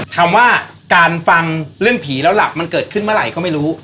คำว่าการฟังเรื่องผีแล้วหลับมันเกิดขึ้นเมื่อไหร่ก็ไม่รู้